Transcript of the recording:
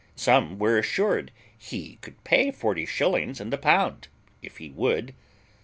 Some were assured he could pay forty shillings in the pound if he would.